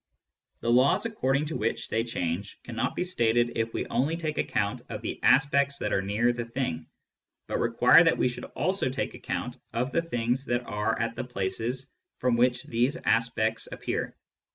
The laws according to which they change cannot be stated if we only take account of the aspects that are near the thing, but require that we should also take account of the things that are at the places from which these aspects appear.